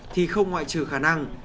thì không ngoại trừ khả năng